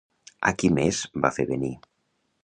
A qui més va fer venir?